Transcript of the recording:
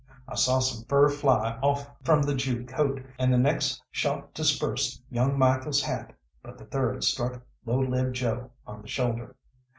I saw some fur fly off from the Jew coat, and the next shot dispersed young Michael's hat, but the third struck Low Lived Joe on the shoulder.